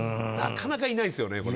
なかなかいないですよね。